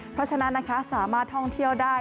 เพราะฉะนั้นนะคะสามารถท่องเที่ยวได้